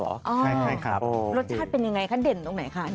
ใช่ครับรสชาติเป็นยังไงคะเด่นตรงไหนคะ